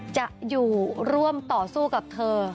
จะอยู่ร่วมต่อสู้กับเธอ